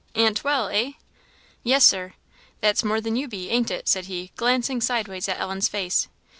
Aunt well, eh?" "Yes, Sir." "That's more than you be, ain't it?" said he, glancing sideways at Ellen's face.